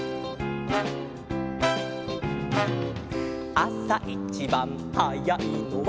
「あさいちばんはやいのは」